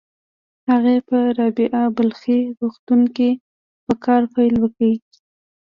هغې په رابعه بلخي روغتون کې په کار پيل وکړ.